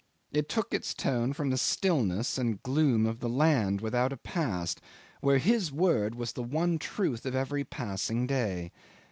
It took its tone from the stillness and gloom of the land without a past, where his word was the one truth of every passing day.